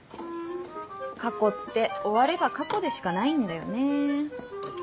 過去って終われば過去でしかないんだよね。